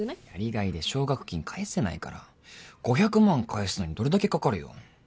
やり甲斐で奨学金返せないから５００万返すのにどれだけかかるよ